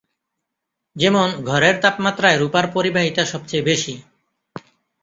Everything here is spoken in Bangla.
যেমন ঘরের তাপমাত্রায় রূপার পরিবাহিতা সবচেয়ে বেশি।